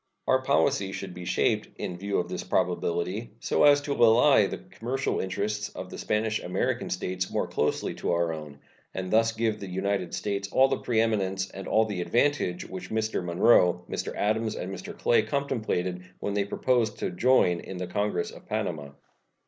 Our policy should be shaped, in view of this probability, so as to ally the commercial interests of the Spanish American States more closely to our own, and thus give the United States all the preeminence and all the advantage which Mr. Monroe, Mr. Adams, and Mr. Clay contemplated when they proposed to join in the congress of Panama.